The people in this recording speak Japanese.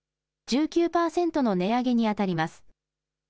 １９％の値上げに当たります。